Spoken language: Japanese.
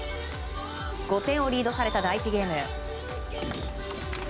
５点をリードされた第１ゲーム。